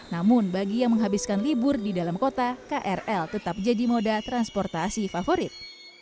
namun bagi yang menghabiskan libur di dalam kota krl tetap jadi moda transportasi favorit